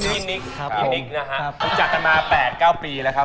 ที่จัดจะมา๘๙ปีและครับ